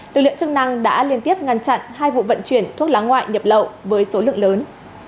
lực lượng chức năng đã liên tiếp ngăn chặn hai vụ vận chuyển thuốc lá ngoại nhập lậu với số lượng lớn